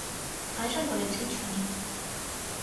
Այժմ գոյություն չունի։